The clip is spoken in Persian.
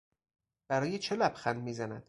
برای چه لبخند میزند؟